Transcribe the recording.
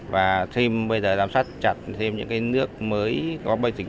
và thêm bây giờ giám sát chặt thêm những nước mới có bây dịch